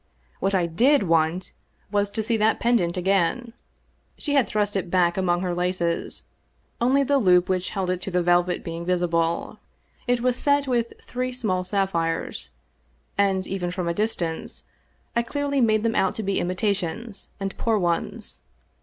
What I did want was to see that pendant 271 English Mystery Stories again. She had thrust it back among her laces, only the loop which held it to the velvet being visible. It was set with three small sapphires, and even from a distance I clearly made them out to be imitations, and poor ones.